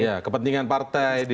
ya kepentingan partai di dua ribu empat